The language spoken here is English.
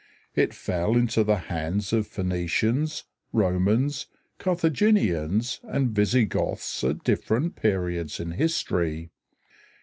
It fell into the hands of Phoenicians, Romans, Carthaginians and Visigoths at different periods in history.